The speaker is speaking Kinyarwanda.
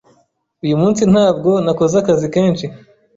Uyu munsi ntabwo nakoze akazi kenshi.